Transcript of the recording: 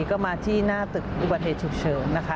ก็มาที่หน้าตึกอุบัติเหตุฉุกเฉินนะคะ